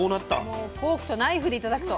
もうフォークとナイフで頂くと。